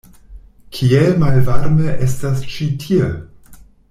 Kiel malvarme estas ĉi tie!